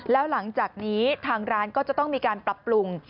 แล้วหลังจากนี้ทางร้านก็จะต้องมีการปรับปรุง